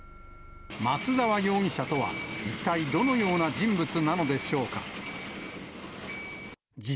松沢容疑者とは、一体、どのような人物なのでしょうか。